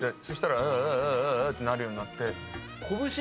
そしたら「ウ」ってなるようになって。